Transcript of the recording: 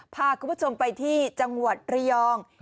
พาคุณผู้ชมไปที่จังหวัดระยอง